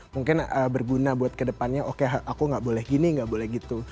mungkin berguna buat kedepannya oke aku gak boleh gini nggak boleh gitu